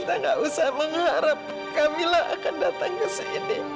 kita nggak usah mengharap kamila akan datang ke sini